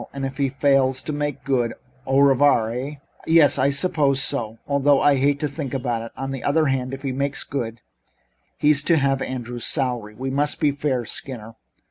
"And if he fails to make good au revoir, eh?" "Yes, I suppose so, although I hate to think about it. On the other hand, if he makes good he's to have Andrews' salary. We must be fair, Skinner.